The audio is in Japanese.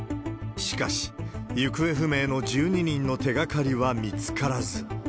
しかし、行方不明の１２人の手がかりは見つからず。